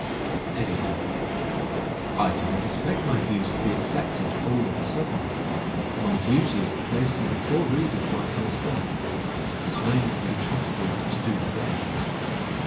EDITOR: I do not expect my views to be accepted all of a sudden. My duty is to place them before readers like yourself. Time can be trusted to do the rest.